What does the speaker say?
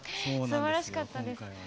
すばらしかったです。